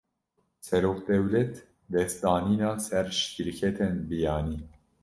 Serokdewlet, dest datîne ser şîrketên biyanî